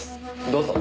どうぞ。